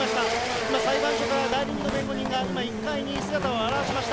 今、裁判所から、代理人の弁護人が今、１階に姿を現しました。